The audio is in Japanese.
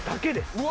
・うわ！